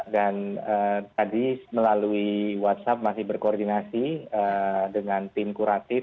dan tadi melalui whatsapp masih berkoordinasi dengan tim kurantik